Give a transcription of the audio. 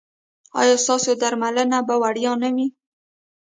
ایا ستاسو درملنه به وړیا نه وي؟